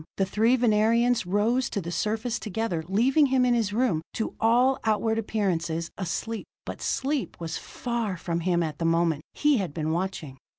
The three Venerians rose to the surface together, leaving him in his room, to all outward appearances, asleep. But sleep was far from him at that moment; he had been watching.